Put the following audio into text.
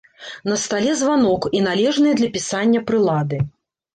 На стале званок і належныя для пісання прылады.